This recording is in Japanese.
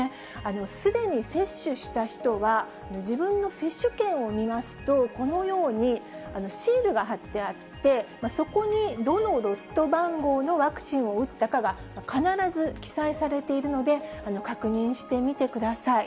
すでに接種した人は、自分の接種券を見ますと、このようにシールが貼ってあって、そこに、どのロット番号のワクチンを打ったかが、必ず記載されているので、確認してみてください。